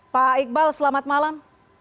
pak iqbal selamat malam